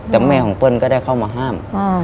แต่แม่ของเปิ้ลก็ได้เข้ามาห้าม